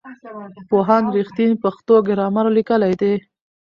پوهاند رښتین پښتو ګرامر لیکلی دی.